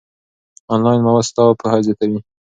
آنلاین مواد ستا پوهه زیاتوي.